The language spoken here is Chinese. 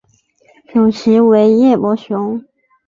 主席为叶柏雄。